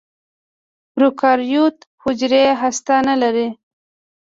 پروکاریوت حجرې هسته نه لري.